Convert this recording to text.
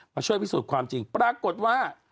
มาช่วยพิสูจน์ความจริงปรากฏว่า